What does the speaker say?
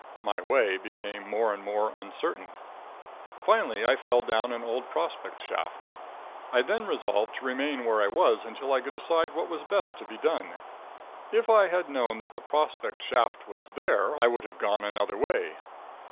My way became more and more uncertain. Finally I fell down an old prospect shaft. I then resolved to remain where I was until I could decide what was best to be done. If I had known that the prospect shaft was there, I would have gone another way.